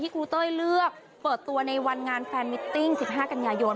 ครูเต้ยเลือกเปิดตัวในวันงานแฟนมิตติ้ง๑๕กันยายน